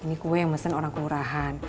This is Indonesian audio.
ini gue yang mesen orang kemurahan